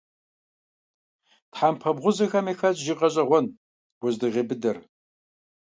Тхьэмпэ бгъузэхэм яхэтщ жыг гъэщӀэгъуэн - уэздыгъей быдэр.